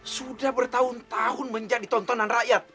sudah bertahun tahun menjadi tontonan rakyat